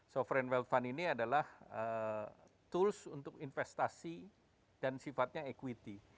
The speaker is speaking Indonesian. sovereign wealth fund ini adalah tools untuk investasi dan sifatnya equity